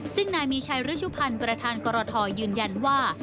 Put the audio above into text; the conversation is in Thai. ซึ่งนายมีชัยฤชุพันธ์ประธานกรทยืนยันว่า